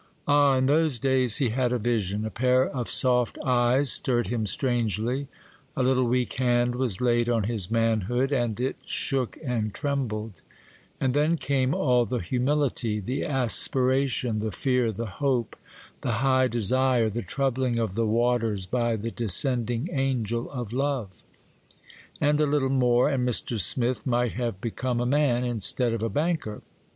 Ah, in those days he had a vision!—a pair of soft eyes stirred him strangely; a little weak hand was laid on his manhood, and it shook and trembled; and then came all the humility, the aspiration, the fear, the hope, the high desire, the troubling of the waters by the descending angel of love,—and a little more and Mr. Smith might have become a man, instead of a banker!